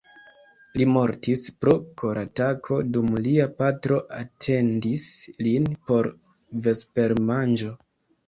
Li mortis pro koratako dum lia patro atendis lin por vespermanĝo.